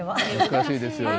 難しいですよね。